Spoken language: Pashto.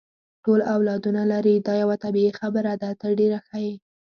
ټول اولادونه لري، دا یوه طبیعي خبره ده، ته ډېره ښه یې.